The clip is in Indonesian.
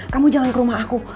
kamu jangan ke rumah aku